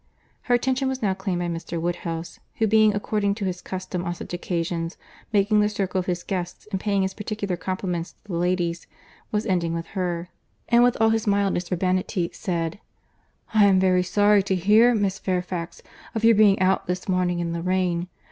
Her attention was now claimed by Mr. Woodhouse, who being, according to his custom on such occasions, making the circle of his guests, and paying his particular compliments to the ladies, was ending with her—and with all his mildest urbanity, said, "I am very sorry to hear, Miss Fairfax, of your being out this morning in the rain.